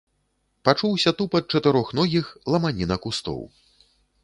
Пачуўся тупат чатырохногіх, ламаніна кустоў.